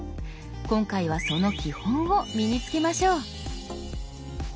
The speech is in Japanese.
今回はその基本を身に付けましょう。